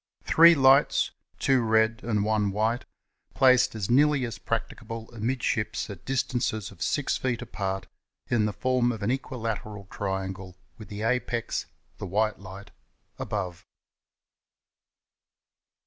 Three lights (two red and one white) placed as nearly as practicable amidships at dis tances of six feet apart in the form of an equilateral triangle with the apex (the white light) above.